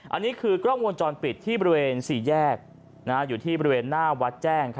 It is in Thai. อันนี้คือกล้องวงจรปิดที่บริเวณ๔แยกอยู่ที่บริเวณหน้าวัดแจ้ง